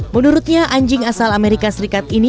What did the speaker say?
menurutnya anjing asal amerika serikat ini